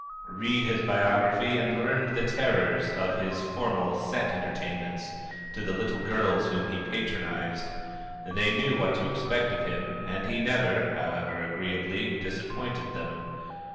Read his biography and learn the terrors of his formal, set entertainments to the little girls whom he patronized! They knew what to expect of him, and he never, however agreeably, disappointed them.